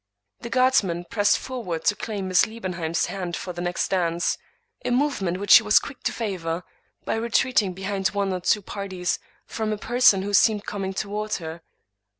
The guardsman pressed forward to claim Miss Lieben heim's hand for the next dance; a movement which she was quick to favor, by retreating behind one or two parties from a person who seemed coming toward her.